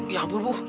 ya ampun bu